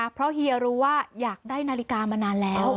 เพราะเฮียรู้ว่าอยากได้นาฬิกามานานแล้ว